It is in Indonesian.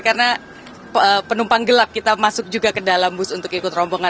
karena penumpang gelap kita masuk juga ke dalam bus untuk ikut rombongan